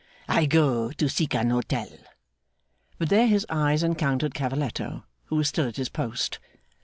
I go to seek an hotel!' But, there his eyes encountered Cavalletto, who was still at his post.